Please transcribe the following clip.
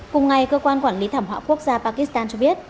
cùng ngày cơ quan quản lý thảm họa quốc gia pakistan cho biết